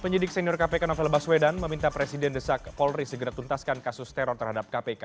penyidik senior kpk novel baswedan meminta presiden desak polri segera tuntaskan kasus teror terhadap kpk